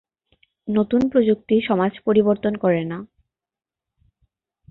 নতুন প্রযুক্তি সমাজ পরিবর্তন করে না।